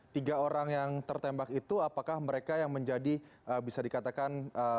tiga orang yang tertembak itu apakah mereka yang menjadi bisa dikatakan